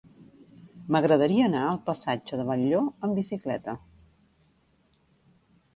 M'agradaria anar al passatge de Batlló amb bicicleta.